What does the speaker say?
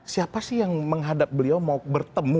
siapa sih yang menghadap beliau mau bertemu